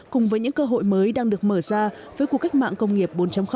cùng với những cơ hội mới đang được mở ra với cuộc cách mạng công nghiệp bốn